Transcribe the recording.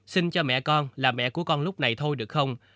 sinh cho mẹ con là mẹ của con lúc này thôi được không